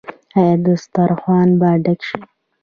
آیا دسترخان به ډک شي؟